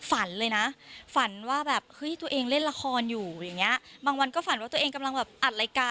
ไม่ตลอดเวลาอะไรอย่างนี้ค่ะ